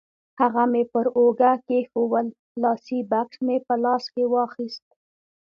هغه مې پر اوږه کېښوول، لاسي بکس مې په لاس کې واخیست.